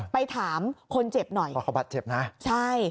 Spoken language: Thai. ไปถามคนเจ็บหน่อยพ่อคบัตรเจ็บนะใช่